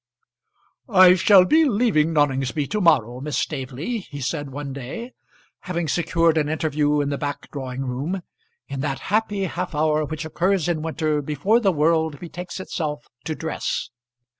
"I shall be leaving Noningsby to morrow, Miss Staveley," he said one day, having secured an interview in the back drawing room in that happy half hour which occurs in winter before the world betakes itself to dress.